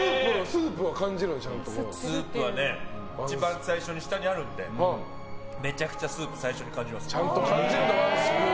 スープは一番最初に下にあるので、めちゃくちゃスープを最初に感じます。